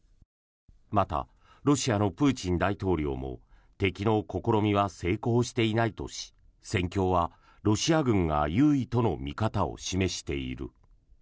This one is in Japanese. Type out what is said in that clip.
また、ロシアのプーチン大統領も敵の試みは成功していないとし戦況はロシア軍が優位との見方を示している。